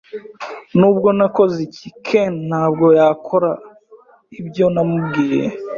Nubwo nakoze iki, Ken ntabwo yakora ibyo namubwiye.